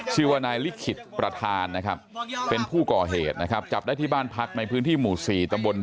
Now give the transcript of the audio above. ชื่อว่านายลิขิตประธานนะครับเป็นผู้ก่อเหตุนะครับจับได้ที่บ้านพักในพื้นที่หมู่๔ตำบล